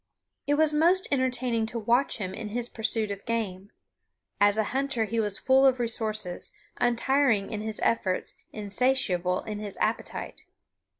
It was most entertaining to watch him in his pursuit of game. As a hunter he was full of resources, untiring in his efforts, insatiable in his appetite.